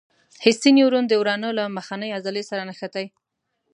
حسي نیورون د ورانه له مخنۍ عضلې سره نښتي.